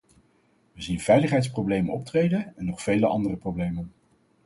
We zien veiligheidsproblemen optreden en nog vele andere problemen.